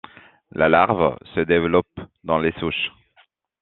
La larve se développe dans les souches.